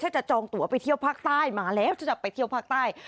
ถ้าจะจองตัวไปเที่ยวภาคใต้มาแล้วถ้าจะไปเที่ยวภาคใต้